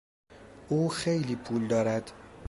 او خیلی پول دارد.